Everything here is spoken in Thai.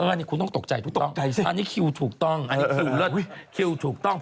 อันนี้คุณต้องตกใจตกใจสิอันนี้คิวถูกต้องอันนี้คิวเลิศ